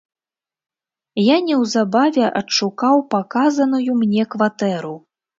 Я неўзабаве адшукаў паказаную мне кватэру.